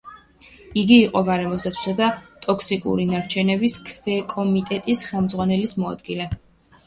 იგი იყო გარემოს დაცვისა და ტოქსიკური ნარჩენების ქვეკომიტეტის ხელმძღვანელის მოადგილე.